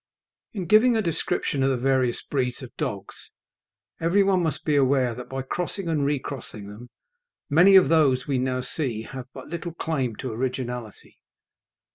In giving a description of the various breeds of dogs, every one must be aware that by crossing and recrossing them many of those we now see have but little claim to originality.